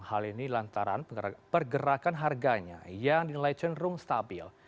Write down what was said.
hal ini lantaran pergerakan harganya yang dinilai cenderung stabil